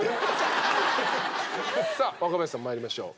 さあ若林さん参りましょう。